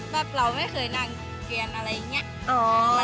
แบบเราไม่เคยนั่งเรียนอะไรอย่างนี้